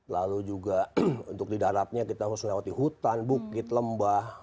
lalu juga untuk di daratnya kita harus melewati hutan bukit lembah